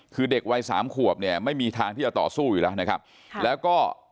คือเด็กวัยสามขวบเนี่ยไม่มีทางที่จะต่อสู้อยู่แล้วนะครับค่ะแล้วก็